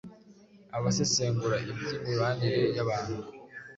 Abasesengura iby’imibanire y’abantu